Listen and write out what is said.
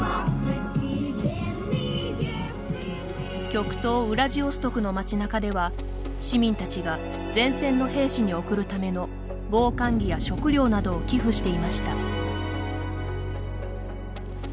極東ウラジオストクの街なかでは市民たちが前線の兵士に送るための防寒着や食料などを寄付していました。